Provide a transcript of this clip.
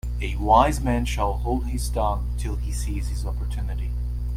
A wise man shall hold his tongue till he sees his opportunity.